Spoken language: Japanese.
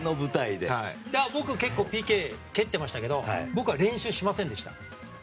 僕、結構ＰＫ蹴ってましたけど僕は練習しませんでした。